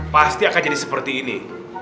pasti akan jadi seperti ini